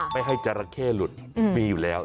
ไม่ให้จราเข้หลุดมีอยู่แล้ว